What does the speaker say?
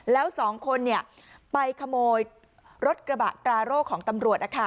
แล้วสองคนไปขโมยรถกระบะตราโร่ของตำรวจ